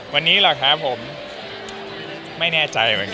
วันนี้หรอกครับผมไม่แน่ใจเหมือนกัน